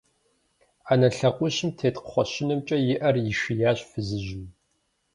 Ӏэнэ лъакъуищым тет кхъуэщынымкӀэ и Ӏэр ишиящ фызыжьым.